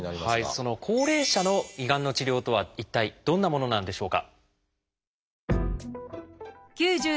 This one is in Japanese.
その高齢者の胃がんの治療とは一体どんなものなんでしょうか？